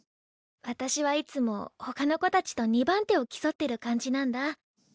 私はいつもほかの子たちと２番手を競ってる感じなんだ。